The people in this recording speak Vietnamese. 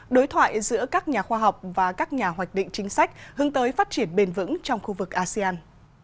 đối thoại giữa các nhà khoa học và các nhà hoạch định chính sách hướng tới phát triển bền vững trong khu vực asean